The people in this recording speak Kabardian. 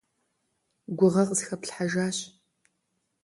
Гугъэ къысхэплъхьэжащ.